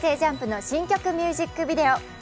ＪＵＭＰの新曲ミュージックビデオ。